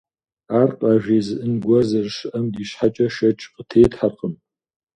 Ар къажезыӀэн гуэр зэрыщыӀэм ди щхьэкӀэ шэч къытетхьэркъым.